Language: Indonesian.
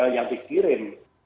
yang dikirim dari